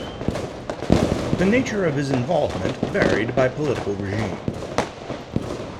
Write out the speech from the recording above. The nature of his involvement varied by political regime.